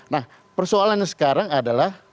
nah persoalannya sekarang adalah